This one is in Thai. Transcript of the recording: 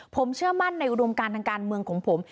ผมเชื่อมั่นในอุดมการทางการเมืองของผม